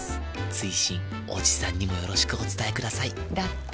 追伸おじさんにもよろしくお伝えくださいだって。